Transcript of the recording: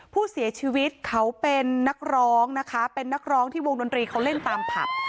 ผู้เสียชีวิตเขาเป็นนักร้องนะคะเป็นนักร้องที่วงดนตรีเขาเล่นตามผับ